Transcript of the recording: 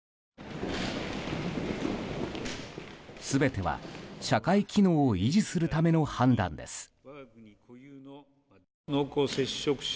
全ては社会機能を維持するための判断です。